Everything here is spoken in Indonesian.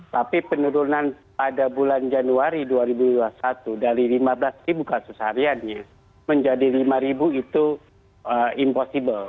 tapi penurunan pada bulan januari dua ribu dua puluh satu dari lima belas ribu kasus hariannya menjadi lima ribu itu impossible